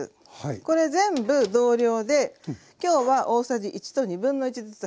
これ全部同量で今日は大さじ１1/2ずつ入ってます。